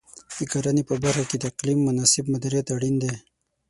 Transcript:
د کرنې په برخه کې د اقلیم مناسب مدیریت اړین دی.